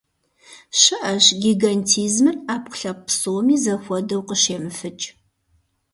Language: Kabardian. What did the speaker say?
ЩыӀэщ гигантизмыр Ӏэпкълъэпкъ псоми зэхуэдэу къыщемыфыкӀ.